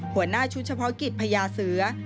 หัวหน้าชุดเฉพาะกิจพญาเสือ